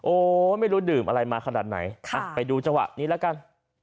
โอ้ไม่รู้ดื่มอะไรมาขนาดไหนไปดูเจาะนี้ละกัน